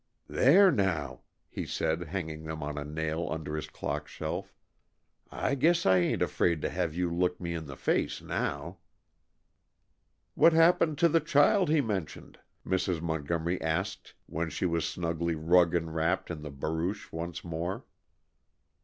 "There, now," he said, hanging them on a nail under his clock shelf, "I guess I ain't afraid to have you look me in the face now." "What happened to the child he mentioned?" Mrs. Montgomery asked when she was snugly rug enwrapped in the barouche once more.